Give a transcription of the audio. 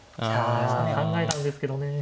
あ考えたんですけどね。